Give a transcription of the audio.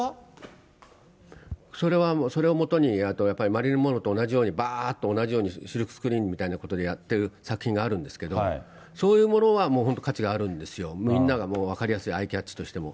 それは、それをもとに、マリリン・モンローと同じようにばーっと同じように、シルクスクリーンみたいにやってる作品があるんですけど、そういうものは本当に価値があるんですよ、みんながもう、分かりやすいアイキャッチとしても。